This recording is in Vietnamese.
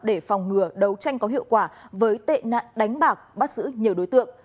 đấu tranh có hiệu quả với tệ nạn đánh bạc bắt giữ nhiều đối tượng